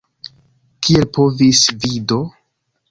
Kiel povis vi do?